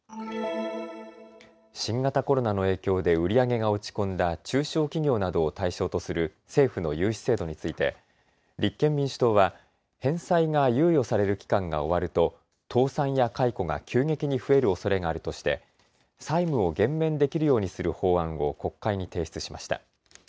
新型コロナの影響で売り上げが落ち込んだ中小企業などを対象とする政府の融資制度について立憲民主党は返済が猶予される期間が終わると倒産や解雇が急激に増えるおそれがあるとして債務を減免できるようにする法案を国会に提出しました。